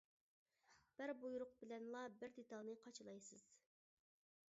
بىر بۇيرۇق بىلەنلا بىر دېتالنى قاچىلايسىز.